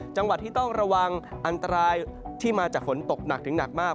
จังหวัดที่ต้องระวังอันตรายที่มาจากฝนตกหนักถึงหนักมาก